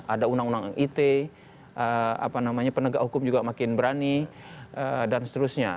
ada unang unang it apa namanya penegak hukum juga makin berani dan seterusnya